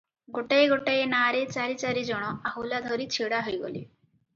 ଗୋଟାଏ ଗୋଟାଏ ନାଆରେ ଚାରି ଚାରି ଜଣ ଆହୁଲା ଧରି ଛିଡା ହୋଇଗଲେ ।